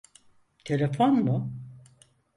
Telefon mu?